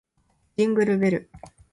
ジングルベル